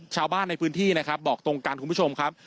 ชาวบ้านในพื้นที่นะครับบอกตรงกันคุณผู้ชมครับ